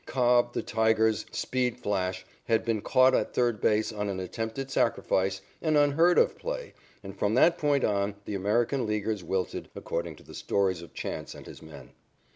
Cobb, the Tigers' speed flash, had been caught at third base on an attempted sacrifice, an unheard of play, and, from that point on, the American Leaguers wilted, according to the stories of Chance and his men.